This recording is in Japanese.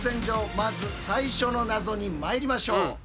まず最初の謎にまいりましょう。